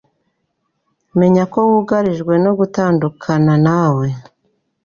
menya ko wugarijwe no gutandukana nawe